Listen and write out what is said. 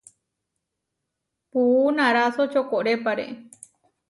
Puú naráso čokorépare.